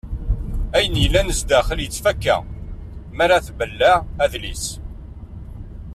Ayen yellan sdaxel yettfaka mi ara tbelleɛ adlis.